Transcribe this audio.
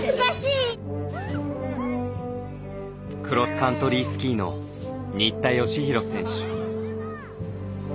クロスカントリースキーの新田佳浩選手。